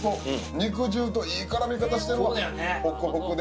肉汁といい絡み方してるわ、ホクホクで。